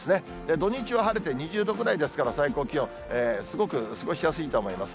土日は晴れて２０度ぐらいですから、最高気温、すごく過ごしやすいと思います。